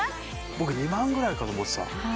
僕２万ぐらいかと思ってた